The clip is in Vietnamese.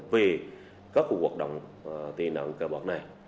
về các cuộc hoạt động tệ nạn cờ bạc này